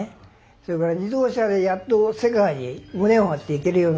それから自動車でやっと世界に胸を張っていけるような時代になってたわけ。